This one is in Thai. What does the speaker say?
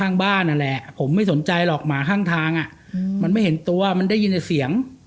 ข้างบ้านนั่นแหละผมไม่สนใจหรอกหมาข้างทางอ่ะมันไม่เห็นตัวมันได้ยินแต่เสียง